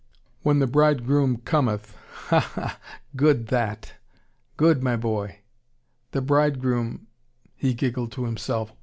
When the bridegroom cometh ! Ha ha! Good that! Good, my boy! The bridegroom " he giggled to himself.